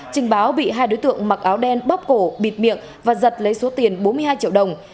trình báo bị hai đối tượng mặc áo đen bóp cổ bịt miệng và giật lấy số tiền bốn mươi hai triệu đồng